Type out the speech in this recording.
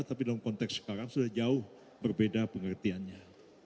tapi dalam konteks sekarang sudah jauh berbeda pengertiannya